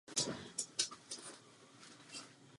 Publikoval články v novinách odborném tisku.